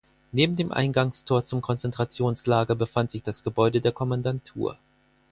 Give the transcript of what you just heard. Neben dem Eingangstor zum Konzentrationslager befand sich das Gebäude der Kommandantur.